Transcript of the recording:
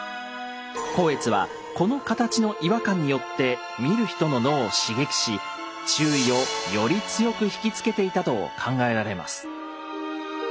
光悦はこの形の違和感によって見る人の脳を刺激し注意をより強くひきつけていたと考えられます。